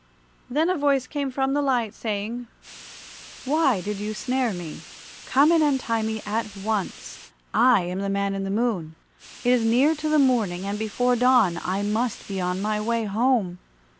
Then a voice came from the light, saying, "Why did you snare me? Come and untie me at once. I am the Man in the Moon. It is near to the morning, and before dawn I must be on my way home.